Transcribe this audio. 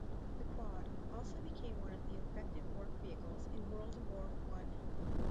The Quad also became one of the effective work vehicles in World War One.